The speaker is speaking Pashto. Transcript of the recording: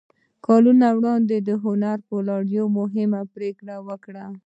کلونه وړاندې هنري فورډ يوه مهمه پرېکړه وکړه.